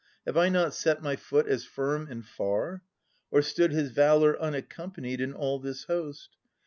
Have I not set my foot as firm and far? Or stood his valour unaccompanied In all this host